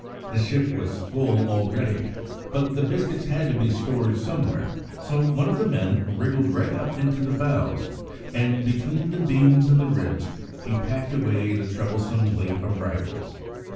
The ship was full already, but the biscuits had to be stored somewhere, so one of the men wriggled right up into the bows, and between the beams and the ribs he packed away the troublesome late arrivals.